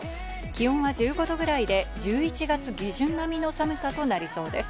気温は１５度ぐらいで１１月下旬並みの寒さとなりそうです。